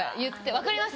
分かります？